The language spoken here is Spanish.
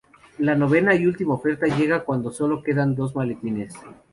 La novena y última oferta llega cuando solo quedan dos maletines.